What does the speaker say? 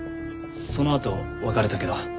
そのあと別れたけど。